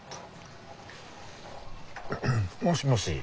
もしもし。